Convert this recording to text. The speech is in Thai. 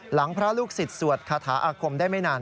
พระลูกศิษย์สวดคาถาอาคมได้ไม่นาน